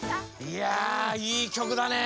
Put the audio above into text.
いやいいきょくだね。